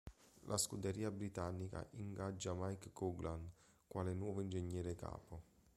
La scuderia britannica ingaggia Mike Coughlan quale nuovo ingegnere capo.